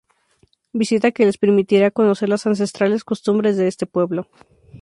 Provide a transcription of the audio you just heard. Visita que les permitirá conocer las ancestrales costumbres de este pueblo.